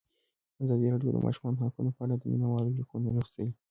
ازادي راډیو د د ماشومانو حقونه په اړه د مینه والو لیکونه لوستي.